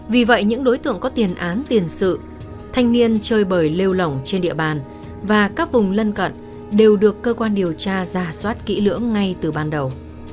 vì vậy những đối tượng có tiền án tiền sự thanh niên chơi bời lêu lỏng trên địa bàn và các vùng lân cận đều được cơ quan điều tra giả soát kỹ lưỡng ngay từ ban đầu